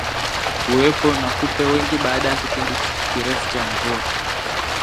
Kuwepo na kupe wengi baada ya kipindi kirefu cha mvua